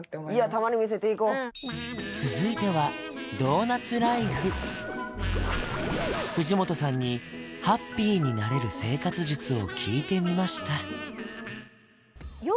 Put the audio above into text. たまに見せていこううん続いては藤本さんにハッピーになれる生活術を聞いてみました